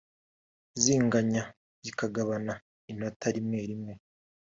zanganya zikagabana inota rimwe rimwe